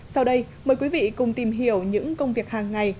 sau đây mời quý vị cùng tìm hiểu những công việc hàng ngày